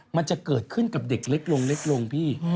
มันจะเกิดขึ้นกับเด็กเล็กลงพี่